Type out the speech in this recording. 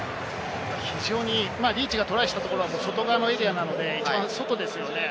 非常にリーチがトライしたところが外側のエリアなんで、外ですよね。